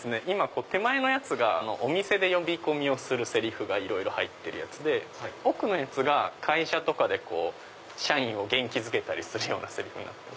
手前のやつがお店で呼び込みをするセリフがいろいろ入ってるやつで奥のやつが会社とかで社員を元気づけたりするようなセリフ。